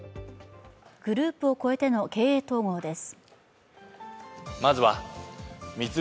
グループを超えての経営統合です。